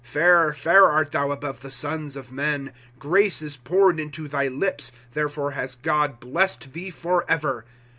^ Pair, fair art thou, above the sons of men ; Grace is poured into thy lips ; Therefore has Q od blessed thee forever.